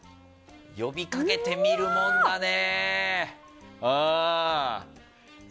呼びかけてみるもんだね。